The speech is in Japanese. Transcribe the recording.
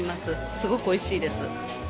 すごくおいしいです。